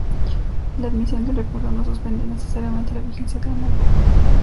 La admisión del recurso no suspende, necesariamente, la vigencia de la norma.